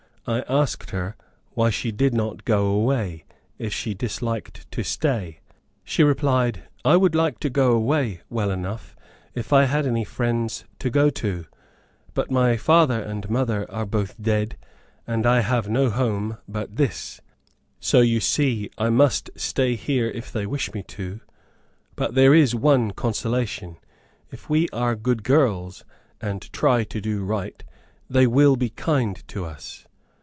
I asked her why she did not go away, if she disliked to stay. She replied, "I should like to go away well enough, if I had any friends to go to; but my father and mother are both dead, and I have no home but this; so you see I must stay here if they wish me to; but there is one consolation; if we are good girls, and try to do right, they will be kind to us."